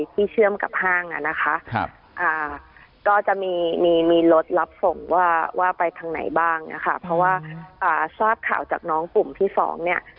คุณอุ้มคะหลังจากออกมาแล้วเนี่ย